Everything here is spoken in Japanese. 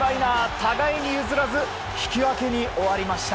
互いに譲らず引き分けに終わりました。